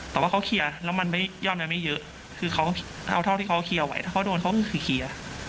แต่ว่าเขาเคลียร์แล้วมันไม่ยอดเงินไม่เยอะคือเขาเอาเท่าที่เขาเคลียร์ไว้ถ้าเขาโดนเขาก็คือเคลียร์